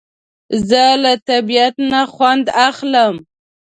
زه له طبیعت نه خوند اخلم